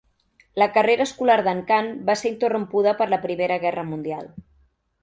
La carrera escolar d'en Cann va ser interrompuda per la Primera Guerra Mundial.